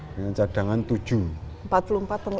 dengan cadangan tujuh pemain